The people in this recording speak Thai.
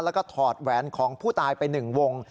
แล้วก็ถอดแหวนของผู้ตายไป๑วง